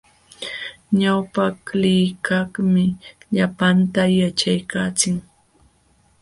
Ñawpaqlikaqmi llapanta yaćhaykaachin.